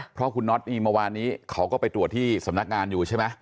เพราะคุณน็อตนี่เมื่อวานนี้เขาก็ไปตรวจที่สำนักงานอยู่ใช่ไหม